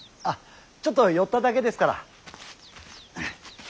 あっちょっと寄っただけですから。